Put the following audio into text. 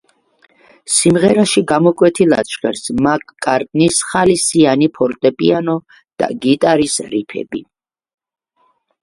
სიმღერაში გამოკვეთილად ჟღერს მაკ-კარტნის ხალისიანი ფორტეპიანო და გიტარის რიფები.